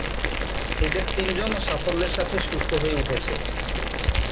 এদের তিনজন সাফল্যের সাথে সুস্থ হয়ে উঠেছে।